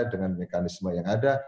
dengan mekanisme yang ada